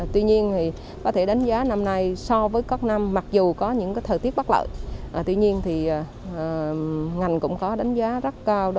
tuy nhiên thì có thể đánh giá năm nay so với các năm mặc dù có những thời tiết bất lợi tuy nhiên thì ngành cũng có đánh giá rất cao